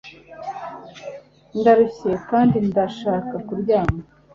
Ndarushye kandi ndashaka kuryama